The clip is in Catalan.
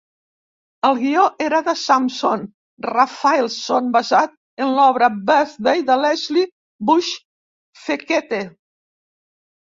El guió era de Samson Raphaelson, basat en l'obra "Birthday" de Leslie Bush-Fekete.